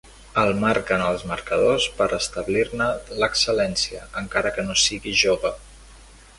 El marquen els marcadors per establir-ne l'excel·lència, encara que no sigui jove.